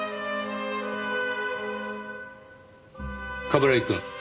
冠城くん。